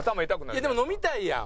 いやでも飲みたいやん！